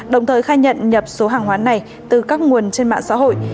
đồng thời khai nhận nhập số hàng hóa này từ các nguồn trên mạng xã hội